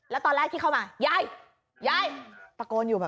แล้วตอนแรกที่เข้ามายายยาย